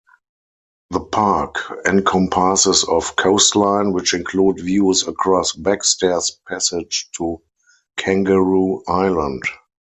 The Park encompasses of coastline, which include views across Backstairs Passage to Kangaroo Island.